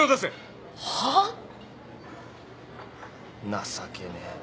情けねえよ。